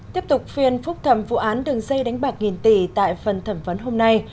tiếp tục phiên phúc thẩm vụ án đường dây đánh bạc nghìn tỷ tại phần thẩm vấn hôm nay